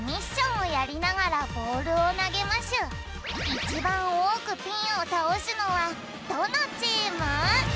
いちばんおおくピンをたおすのはどのチーム？